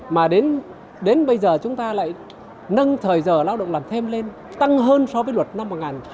mà đến bây giờ chúng ta lại nâng thời giờ lao động làm thêm lên tăng hơn so với luật năm hai nghìn một mươi hai